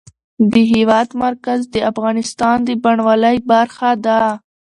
د هېواد مرکز د افغانستان د بڼوالۍ برخه ده.